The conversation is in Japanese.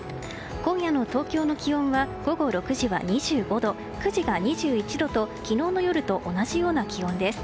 今夜の東京の気温は午後６時は２５度９時が２１度と昨日の夜と同じような気温です。